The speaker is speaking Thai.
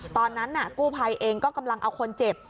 ตอนนั้นกู้ภัยเองก็กำลังเอาคนเจ็บ